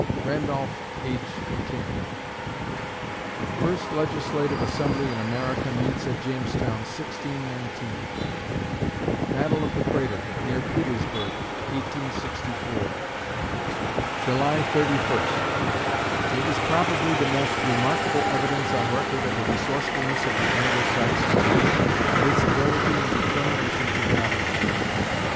RANDOLPH H. MCKIM First Legislative Assembly in America meets at Jamestown, 1619 Battle of the Crater, near Petersburg, 1864 July Thirty First It was probably the most remarkable evidence on record of the resourcefulness of the Anglo Saxon race, and its ability and determination to dominate.